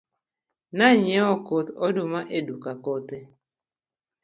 Na nyiewo koth oduma e duka kothe.